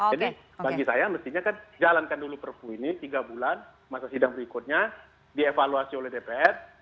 jadi bagi saya mestinya kan jalankan dulu perpu ini tiga bulan masa sidang berikutnya dievaluasi oleh dpr